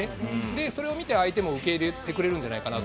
それを見て相手も受け入れてくれるんじゃないかと。